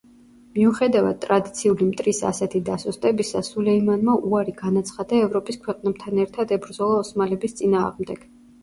მიუხედავად ტრადიციული მტრის ასეთი დასუსტებისა, სულეიმანმა უარი განაცხადა ევროპის ქვეყნებთან ერთად ებრძოლა ოსმალების წინააღმდეგ.